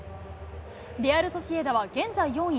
レアル・ソシエダは現在４位。